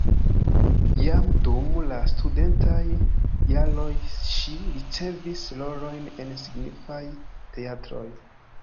Jam dum la studentaj jaroj ŝi ricevis rolojn en signifaj teatroj.